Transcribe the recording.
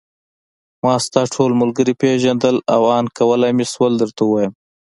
ما ستا ټول ملګري پېژندل او آن کولای مې شول درته ووایم.